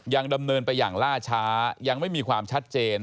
ยังดำเนินไปอย่างล่าช้ายังไม่มีความชัดเจน